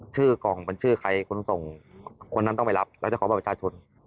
ชื่อกล่องเป็นชื่อใครคนส่งคนนั้นต้องไปรับแล้วจะขอบัตรประชาชน